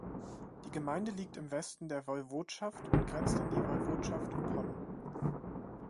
Die Gemeinde liegt im Westen der Woiwodschaft und grenzt an die Woiwodschaft Opole.